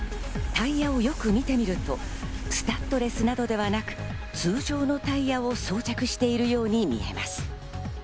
タイヤをよく見てみるとスタッドレスなどではなく、通常のタイヤを装着しているようにみられます。